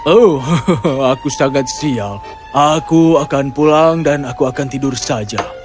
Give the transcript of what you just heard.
oh aku sangat sial aku akan pulang dan aku akan tidur saja